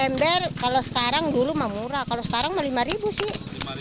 ember kalau sekarang dulu mah murah kalau sekarang mah lima ribu sih